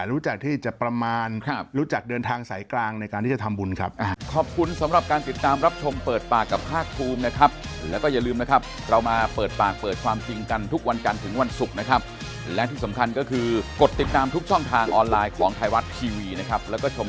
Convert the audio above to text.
รู้จักที่จะประมาณรู้จักเดินทางสายกลางในการที่จะทำบุญครับ